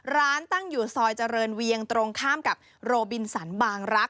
ตั้งอยู่ซอยเจริญเวียงตรงข้ามกับโรบินสันบางรักษ